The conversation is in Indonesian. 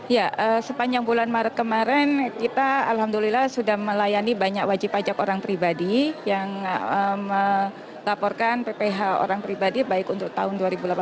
ya sepanjang bulan maret kemarin kita alhamdulillah sudah melayani banyak wajib pajak orang pribadi yang melaporkan pph orang pribadi baik untuk tahun dua ribu delapan belas